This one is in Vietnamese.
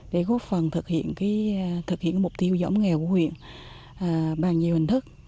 để góp phần thực hiện mục tiêu dõm nghèo của huyện bằng nhiều hình thức